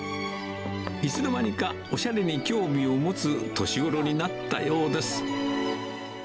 いつの間にか、おしゃれに興味を持つ年頃になったようです。